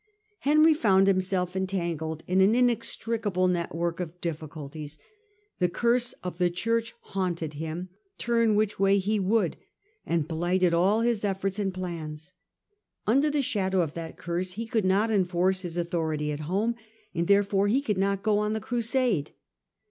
Henry found himself entangled in an inextricable network of diffi culties: the curse of the Church haunted him, turn which way he would, and blighted all his efforts and plans. Under the shadow of that curse he could not enforce his authority at home, and therefore he could not go on the crusade.